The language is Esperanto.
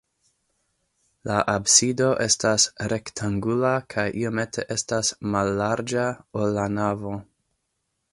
La absido estas rektangula kaj iomete estas mallarĝa, ol la navo.